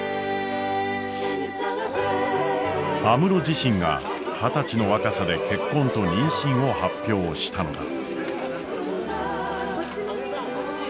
安室自身が二十歳の若さで結婚と妊娠を発表したのだ。